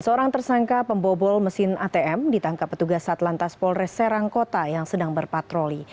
seorang tersangka pembobol mesin atm ditangkap petugas satlantas polres serang kota yang sedang berpatroli